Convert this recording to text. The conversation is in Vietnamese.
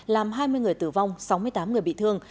làm hai mươi người tử vong sáu mươi tám người bị thương